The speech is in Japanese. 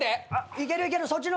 いけるいける。